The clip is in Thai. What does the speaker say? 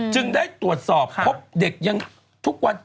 จึงได้ตรวจสอบพบเด็กยังทุกวัน